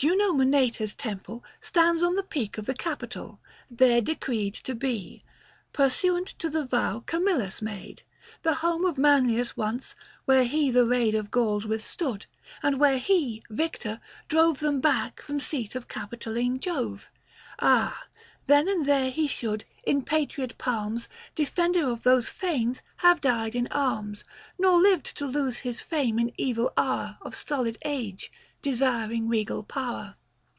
Juno Moneta's temple stands on the Peak of the capitol ; there decreed to be, Pursuant to the vow Camillus made ; The home of Manlius once, where he the raid Of Gauls withstood ; and where he, victor, drove Them back from seat of Capitoline Jove, Ah, then and there he should, in patriot palms, Defender of those fanes, have died in arms, Nor lived to lose his fame in evil hour Of stolid age, desiring regal power.